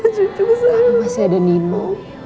kamu masih ada nino